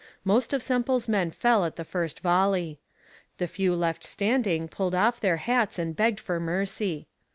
Most of Semple's men fell at the first volley. The few left standing pulled off their hats and begged for mercy.